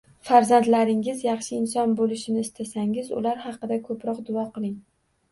Farzandlaringiz yaxshi inson bo‘lishini istasangiz, ular haqiga ko‘proq duo qiling